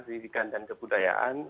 ketidikan dan kebudayaan